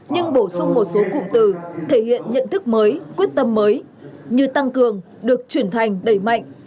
nhưng bổ sung một số cụm từ thể hiện nhận thức mới quyết tâm mới như tăng cường được chuyển thành đẩy mạnh